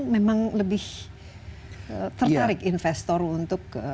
memang lebih tertarik investor untuk